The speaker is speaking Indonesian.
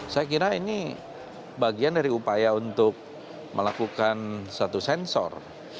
saya kira ini bagian dari upaya untuk melakukan satu sensor